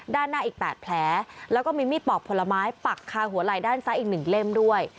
ด้านหน้าอีก๘แผลแล้วก็มีมีดปอกผลไม้ปักคาหัวไหล่ด้านซ้ายอีก๑เล่มด้วย